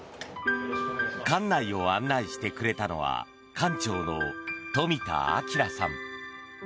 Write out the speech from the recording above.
館内を案内してくれたのは館長の冨田章さん。